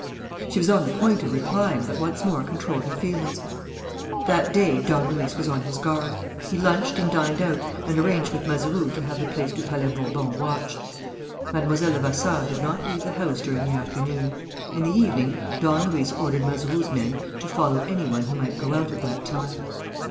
She was on the point of replying, but once more controlled her feelings. That day Don Luis was on his guard. He lunched and dined out and arranged with Mazeroux to have the Place du Palais Bourbon watched. Mlle. Levasseur did not leave the house during the afternoon. In the evening Don Luis ordered Mazeroux's men to follow any one who might go out at that time.